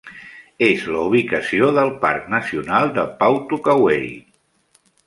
És la ubicació del Parc Nacional de Pawtuckaway.